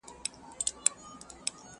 پر غوږونو ښې لګېږي او خوږې دي٫